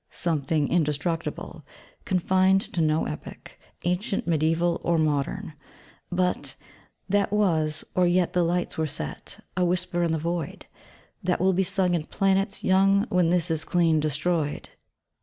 Something indestructible, confined to no epoch, ancient, mediæval or modern, but, '_that was, or yet the lights were set, a whisper in the void; that will be sung in planets young when this is clean destroyed_.'